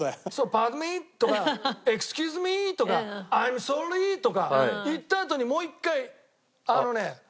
パードゥンミー？とかエクスキューズミー？とかアイムソーリーとか言ったあとにもう一回あのね